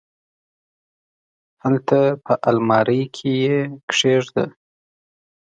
هلته په المارۍ کي یې کښېږده !